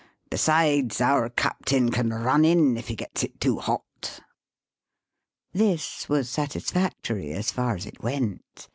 Besides, our captain can run in if he gets it too hot." This was satisfactory as far as it went.